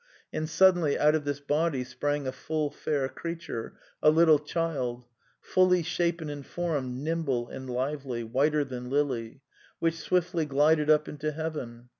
And suddenly out of this body sprang a full fair creature, a little Child, fully shapen and formed, nimble and lively, whiter than lily; which swiftly glided up into heaven.